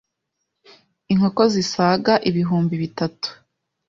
inkoko zisaga ibihumbi bitatu,